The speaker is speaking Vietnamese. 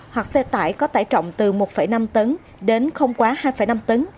hoặc xe tải có tải trọng từ một năm tấn đến không quá hai năm tấn